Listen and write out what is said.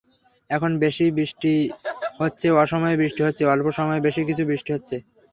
এখন বৃষ্টি বেশি হচ্ছে, অসময়ে বৃষ্টি হচ্ছে, অল্প সময়ে বেশি বৃষ্টি হচ্ছে।